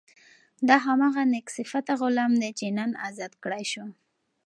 دا هماغه نېک صفته غلام دی چې نن ازاد کړای شو.